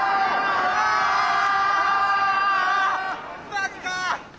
マジか！